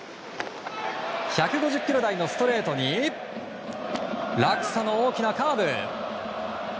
１５０キロ台のストレートに落差の大きなカーブ。